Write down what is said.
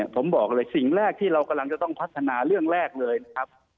ผมบอกเลยสิ่งแรกที่เรากำลังจะต้องพัฒนาเรื่องแรกเลยนะครับ